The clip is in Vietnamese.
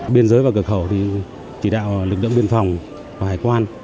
biên giới và cửa khẩu thì chỉ đạo lực lượng biên phòng và hải quan